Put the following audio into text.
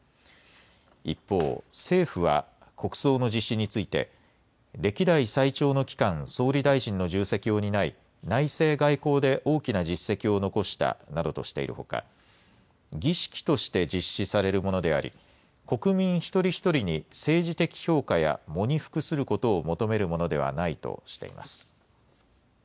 一方、政府は国葬の実施について、歴代最長の期間、総理大臣の重責を担い、内政・外交で大きな実績を残したなどとしているほか、儀式として実施されるものであり、国民一人一人に政治的評価や喪に服することを求めるものではないとしています。